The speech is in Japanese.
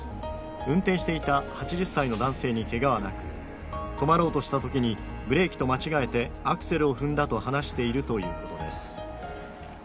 運転していた８０歳の男性にけがはなく、止まろうとしたときにブレーキと間違えてアクセルを踏んだと話しているということです。